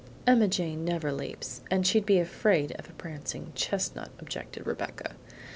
"Emma Jane never leaps, and she'd be afraid of a prancing chestnut," objected Rebecca.